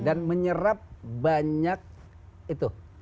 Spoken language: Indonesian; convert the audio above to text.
dan menyerap banyak itu